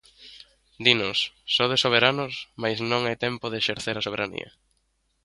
Dinnos: sodes soberanos, mais non é tempo de exercer a soberanía.